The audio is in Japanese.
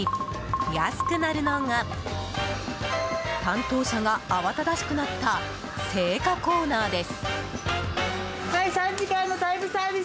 安くなるのが担当者が慌ただしくなった青果コーナーです。